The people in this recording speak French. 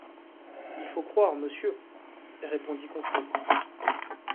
Il faut croire monsieur, répondit Conseil.